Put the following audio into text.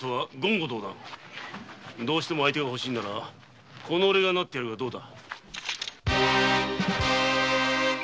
どうしても相手が欲しいならおれがなってやるがどうだ！